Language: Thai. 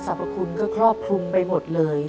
พคุณก็ครอบคลุมไปหมดเลย